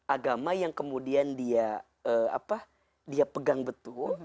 agama yang kemudian dia pegang betul